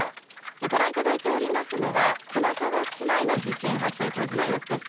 ご覧いただいておりますのは、金沢市内の地震発生当時の様子です。